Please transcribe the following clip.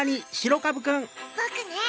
ぼくね。